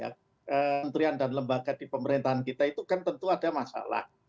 kementerian dan lembaga di pemerintahan kita itu kan tentu ada masalah